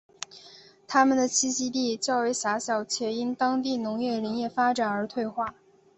它们的栖息地较为狭小且因当地农业林业发展而退化。